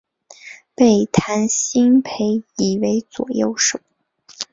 被谭鑫培倚为左右手。